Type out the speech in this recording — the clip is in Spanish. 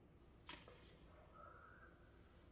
Consta de una planta, desván y bodega.